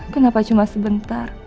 kenapa cuma sebentar